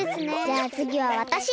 じゃあつぎはわたし！